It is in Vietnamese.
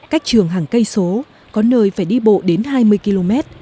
cách trường hàng cây số có nơi phải đi bộ đến hai mươi km